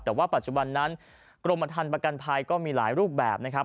แต่ว่าปัจจุบันนั้นกรมฐานประกันภัยก็มีหลายรูปแบบนะครับ